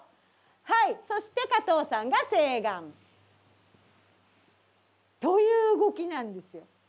はいそして加藤さんが正眼。という動きなんですよ。